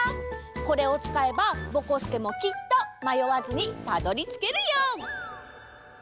これをつかえばぼこすけもきっとまよわずにたどりつけるよ！